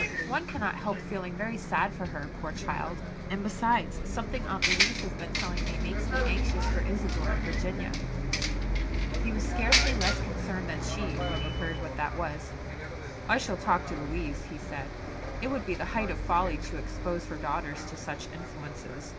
One cannot help feeling very sad for her, poor child! and besides something Aunt Louise has been telling me, makes me anxious for Isadore and Virginia." He was scarcely less concerned than she, when he heard what that was. "I shall talk to Louise," he said, "it would be the height of folly to expose her girls to such influences.